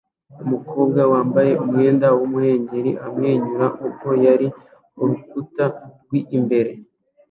Umukobwa wambaye umwenda w'umuhengeri amwenyura ubwo yurira urukuta rw'imbere